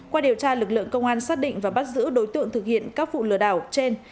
qua điều tra lực lượng công an xác định và bắt giữ đối tượng thực hiện các vụ lừa đảo trên